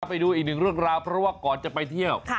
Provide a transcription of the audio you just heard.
ไปดูอีกหนึ่งเรื่องราวเพราะว่าก่อนจะไปเที่ยว